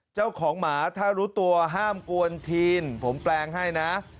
เจ้าของหมาถ้ารู้ตัวห้ามกวนทีนผมแปลงให้นะ